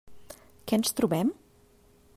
Què ens trobem?